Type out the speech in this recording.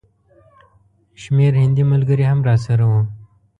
شمېر هندي ملګري هم راسره وو.